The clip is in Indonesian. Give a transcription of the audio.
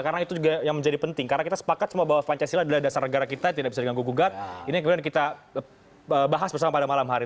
karena itu juga yang menjadi penting karena kita sepakat bahwa pancasila adalah dasar negara kita tidak bisa diganggu gugat ini kemudian kita bahas bersama pada malam hari